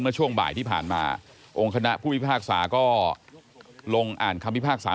เมื่อช่วงบ่ายที่ผ่านมาองค์คณะผู้พิพากษาก็ลงอ่านคำพิพากษา